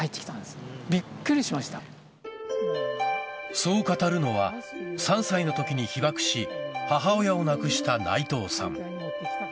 そう語るのは３歳のときに被爆し母親を亡くした内藤さん。